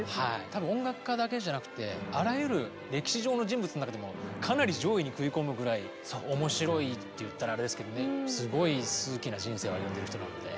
多分音楽家だけじゃなくてあらゆる歴史上の人物の中でもかなり上位に食い込むぐらい面白いって言ったらあれですけどねすごい数奇な人生を歩んでる人なので。